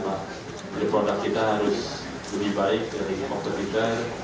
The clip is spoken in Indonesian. produk kita harus lebih baik dari kompetitor